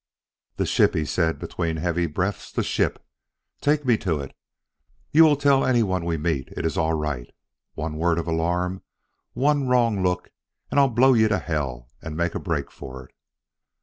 "The ship!" he said between heavy breaths, " the ship! Take me to it! You will tell anyone we meet it is all right. One word of alarm, one wrong look, and I'll blow you to hell and make a break for it!"